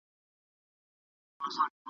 غرونه ښکلي منظرې جوړوي.